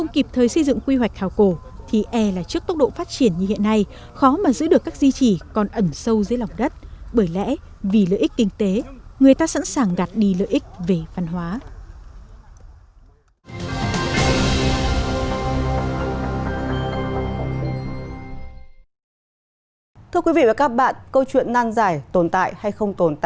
cái gì tích khảo cổ đã mất là mất vĩnh viện